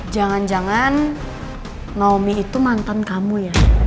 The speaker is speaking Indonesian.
jangan jangan naomi itu mantan kamu ya